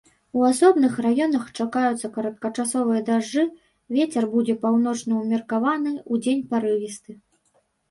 У асобных раёнах чакаюцца кароткачасовыя дажджы, вецер будзе паўночны ўмеркаваны, удзень парывісты.